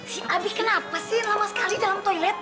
si abi kenapa sih lama sekali dalam toilet